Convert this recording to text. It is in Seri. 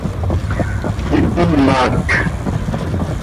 Ihpimhác.